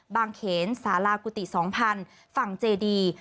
เขนสารากุฏิ๒๐๐ฝั่งเจดี